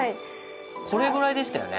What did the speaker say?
これぐらいでしたよね。